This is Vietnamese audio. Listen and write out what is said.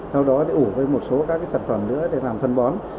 sau đó để ủ với một số các sản phẩm nữa để làm phân bón